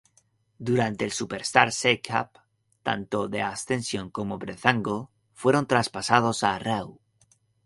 Durante el Superstar Shake-up, tanto The Ascension como Breezango fueron traspasados a Raw.